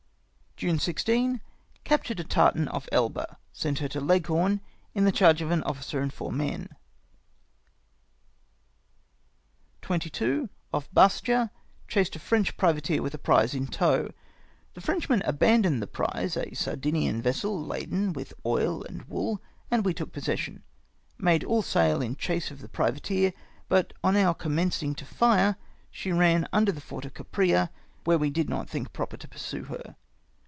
"June 16. — Captured a tartan off Elba. Sent her to Leghorn, in the charge of an officer and four men. " 22. — Off Bastia. Chased a French privateer with a prize in tow. The Frenchman abandoned the prize, a Sardinian vessel laden with oil and wool, and we took possession. Made all sail in chase of the privateer ; but on our commencing to fire, she ran under the fort of Caprea, where we did not think proper to pursue her.